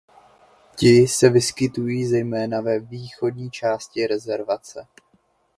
Ti se vyskytují zejména ve východní části rezervace.